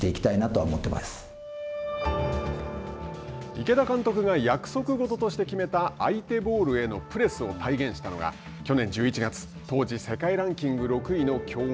池田監督が約束事として決めた相手ボールへのプレスを体現したのが去年１１月当時世界ランキング６位の強豪